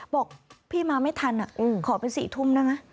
บอกพี่มาไม่ทันอ่ะอืมขอเป็นสี่ทุ่มน่ะ